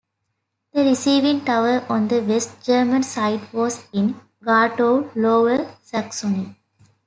The receiving tower on the West German side was in Gartow, Lower Saxony.